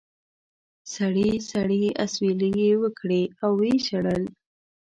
سړې سړې اسوېلې یې وکړې او و یې ژړل.